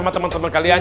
sama temen temen kalian